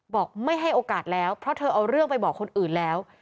บอกไม่ให้โอกาสแล้วเพราะเธอเอาเรื่องไปบอกคนอื่นแล้ว